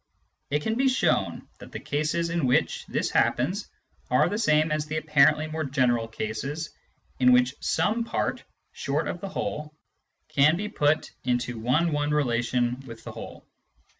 It can be shown that the cases in which this happens are the same as the apparently more general cases in which some part (short of the whole) can be put into one one relation with the whole.